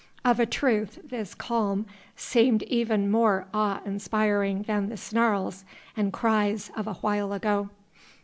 Of a truth this calm seemed even more awe inspiring than the snarls and cries of a while ago.